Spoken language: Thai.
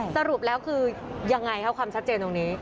สรุปแล้วคือยังไงครับความชัดเจนตรงนี้